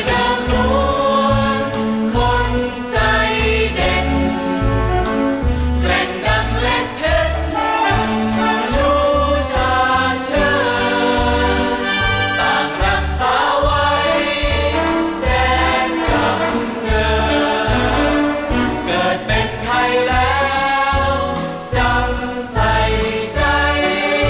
บ่องบ่องฝันทั้งทิ้งตายเพื่อไทย